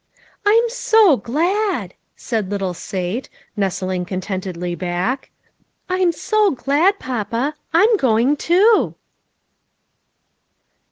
" I'm so glad," said little Sate, nestling con tentedly back, " I'm so glad, papa ; I'm going too."